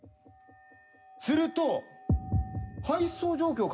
すると。